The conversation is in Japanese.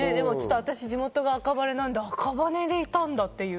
私、地元が赤羽なんで、赤羽にいたんだっていう。